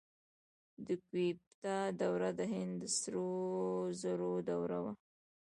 د ګوپتا دوره د هند د سرو زرو دوره وه.